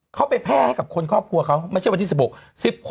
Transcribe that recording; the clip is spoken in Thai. เขาไปแพร่ให้กับคนครอบครัวเขาไม่ใช่วันที่๑๖